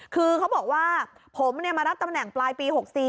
คือเขาบอกว่าผมมารับตำแหน่งปลายปี๖๔